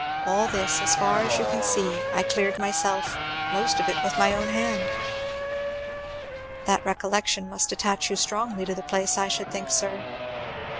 All this as far as you can see I cleared myself; most of it with my own hand." "That recollection must attach you strongly to the place, I should think, sir."